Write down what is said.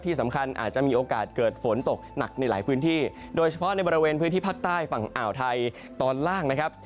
อาจจะมีโอกาสเกิดฝนตกหนักในหลายพื้นที่โดยเฉพาะในบริเวณพื้นที่ภาคใต้ฝั่งอ่าวไทยตอนล่างนะครับ